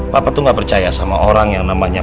papa tuh gak percaya sama orang yang namanya pak